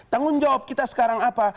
tanggung jawab kita sekarang apa